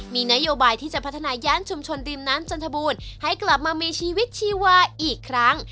มีนโยบายที่จะพัฒนาย่านชุมชนริมน้ำจันทบูรณ์ให้กลับมามีชีวิตชีวาอีกครั้ง